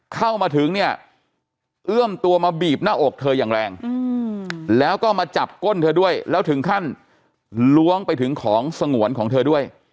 เข้ามาถึงเนี่ยเอื้อมตัวมาบีบหน้าอกเธออย่างแรงแล้วก็มาจับก้นเธอด้วยแล้วถึงขั้นล้วงไปถึงของสงวนของเธอด้วย